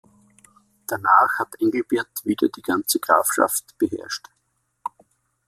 Danach hat Engelbert wieder die ganze Grafschaft beherrscht.